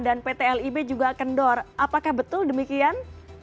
dan pt lib juga kendor apakah betul demikian